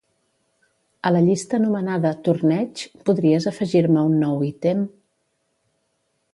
A la llista anomenada "torneig", podries afegir-me un nou ítem?